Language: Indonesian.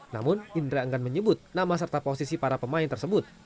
namun indra enggan menyebut nama serta posisi para pemain tersebut